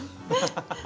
ハハハハ。